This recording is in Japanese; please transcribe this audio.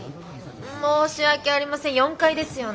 申し訳ありません４階ですよね。